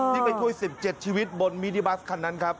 ที่ไปช่วย๑๗ชีวิตบนมินิบัสคันนั้นครับ